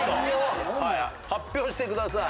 発表してください。